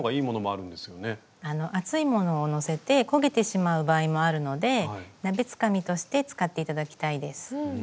あの熱いものを載せて焦げてしまう場合もあるので鍋つかみとして使って頂きたいです。